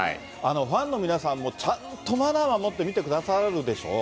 ファンの皆さんも、ちゃんとマナー守って見てくださるでしょ？